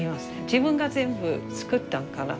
自分が全部作ったのかな？